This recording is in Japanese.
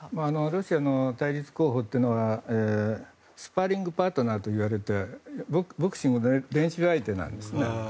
ロシアの対立候補というのはスパーリングパートナーといわれてボクシングの練習相手なんですね。